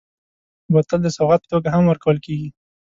بوتل د سوغات په توګه هم ورکول کېږي.